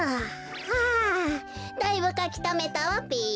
はあだいぶかきためたわべ。